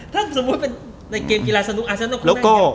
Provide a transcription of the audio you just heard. ถ้าสมมุติเป็นเกมกีฬาสนุกอาร์เซนอลเข้านั่งไง